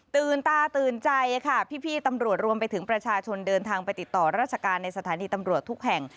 ตาตื่นใจค่ะพี่ตำรวจรวมไปถึงประชาชนเดินทางไปติดต่อราชการในสถานีตำรวจทุกแห่ง